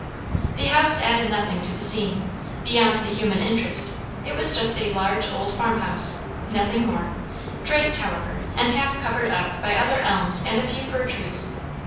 The house added nothing to the scene, beyond the human interest; it was just a large old farmhouse, nothing more; draped, however, and half covered up by other elms and a few fir trees.